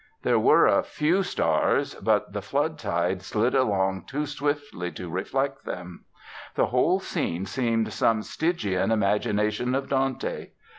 There were a few stars, but the flood slid along too swiftly to reflect them. The whole scene seemed some Stygian imagination of Dante.